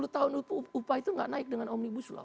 sepuluh tahun itu upah itu gak naik dengan om ibu slow